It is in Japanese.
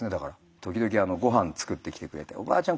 時々ごはん作ってきてくれておばあちゃん